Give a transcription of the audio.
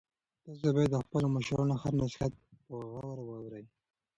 تاسو باید د خپلو مشرانو هر نصیحت په غور واورئ.